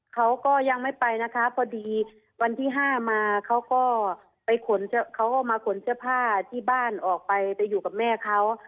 เขาก็ยังไม่ไปนะคะพอดีวันที่๕มาเขาก็ไปขนเขาก็มาขนเสื้อผ้าที่บ้านออกไปไปอยู่กับแม่เขา